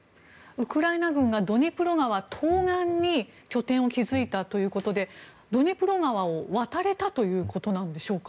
ウクライナ軍がドニプロ川東岸に拠点を築いたということでドニプロ川を渡れたということなんでしょうか。